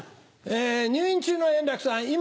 入院中の円楽さん